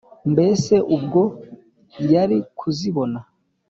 mbese ubwo yari kuzibona?